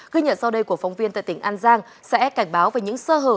ghi nhận sau đây của phóng viên tại tỉnh an giang sẽ cảnh báo về những sơ hở